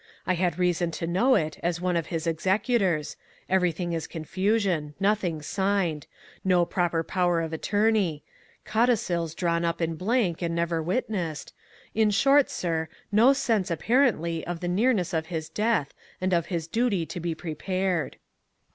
"I had reason to know it as one of his executors, everything is confusion, nothing signed, no proper power of attorney, codicils drawn up in blank and never witnessed, in short, sir, no sense apparently of the nearness of his death and of his duty to be prepared.